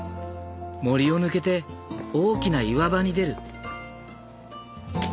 森を抜けて大きな岩場に出る。